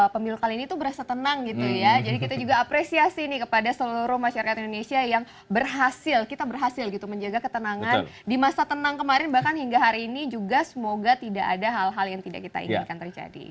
pemilu kali ini tuh berasa tenang gitu ya jadi kita juga apresiasi nih kepada seluruh masyarakat indonesia yang berhasil kita berhasil gitu menjaga ketenangan di masa tenang kemarin bahkan hingga hari ini juga semoga tidak ada hal hal yang tidak kita inginkan terjadi